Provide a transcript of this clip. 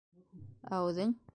Ә үҙең?